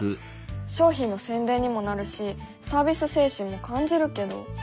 商品の宣伝にもなるしサービス精神も感じるけど。